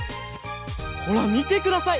ほらみてください！